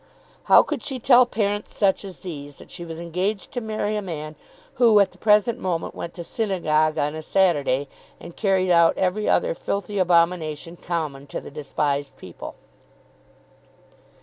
How could she tell parents such as these that she was engaged to marry a man who at the present moment went to synagogue on a Saturday and carried out every other filthy abomination common to the despised people?